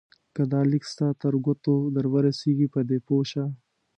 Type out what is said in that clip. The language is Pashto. که دا لیک ستا تر ګوتو درورسېږي په دې پوه شه.